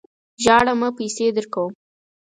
ژاړه مه ! پیسې درکوم.